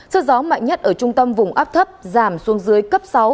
sức gió mạnh nhất ở trung tâm vùng áp thấp giảm xuống dưới cấp sáu